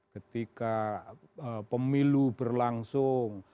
ketika pemilu berlangsung